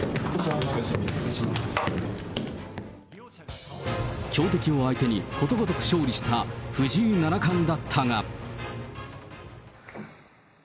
よろしくお願い強敵を相手にことごとく勝利した藤井七冠だったが。